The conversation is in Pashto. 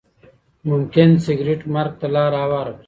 ممکن سګریټ مرګ ته لاره هواره کړي.